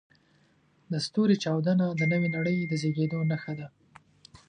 د ستوري چاودنه د نوې نړۍ د زېږېدو نښه ده.